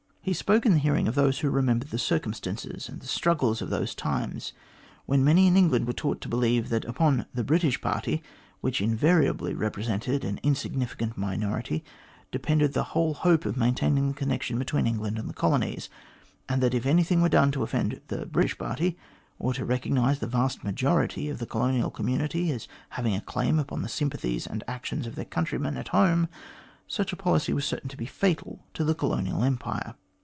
He .spoke in the hearing of those who remembered the circum stances and the struggles of those times, when many in England were taught to believe that upon the "British Party," which invariably represented an insignificant minority, depended the whole hope of maintaining the connec tion between England and the colonies ; and that if anything were done to offend the " British Party," or to recognise the Tast majority of the colonial community as having a claim upon the sympathies and actions of their countrymen at home, such a policy was certain to be fatal to the Colonial Empire.